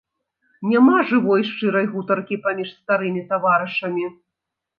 Няма жывой шчырай гутаркі паміж старымі таварышамі.